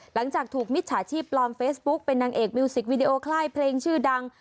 หลังจากถูกมิจฉาชีพปลอมเฟซบุ๊กเป็นนางเอกมิวสิกวีดีโอค่ายเพลงชื่อดัง